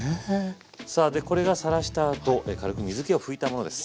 さあでこれがさらしたあと軽く水けを拭いたものです。